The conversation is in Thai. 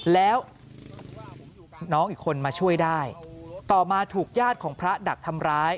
แล้วน้องอีกคนมาช่วยได้ต่อมาถูกญาติของพระดักทำร้าย